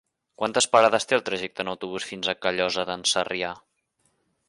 Quantes parades té el trajecte en autobús fins a Callosa d'en Sarrià?